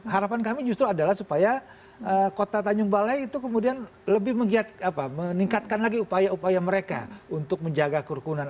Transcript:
harapan kami justru adalah supaya kota tanjung balai itu kemudian lebih meningkatkan lagi upaya upaya mereka untuk menjaga kerukunan